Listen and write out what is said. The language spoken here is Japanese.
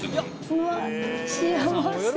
うわ、幸せ。